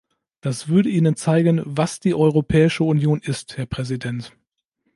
Das würde ihnen zeigen, was die Europäische Union ist, Herr Präsident.